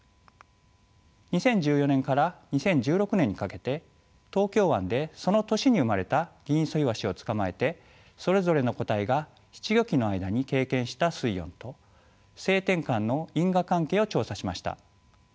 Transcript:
２０１４年から２０１６年にかけて東京湾でその年に生まれたギンイソイワシを捕まえてそれぞれの個体が仔稚魚期の間に経験した水温と性転換の因果関係を調査しました。